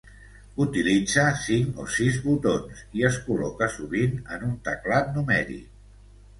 Utilitza cinc o sis botons i es col·loca sovint en un teclat numèric.